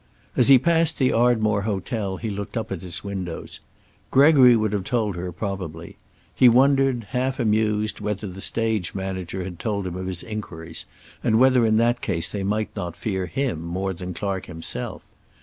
As he passed the Ardmore Hotel he looked up at its windows. Gregory would have told her, probably. He wondered, half amused, whether the stage manager had told him of his inquiries, and whether in that case they might not fear him more than Clark himself.